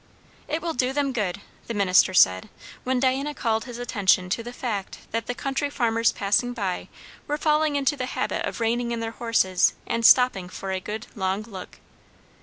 "It will do them good!" the minister said, when Diana called his attention to the fact that the country farmers passing by were falling into the habit of reining in their horses and stopping for a good long look.